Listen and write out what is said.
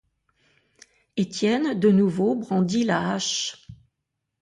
Étienne de nouveau brandit la hache.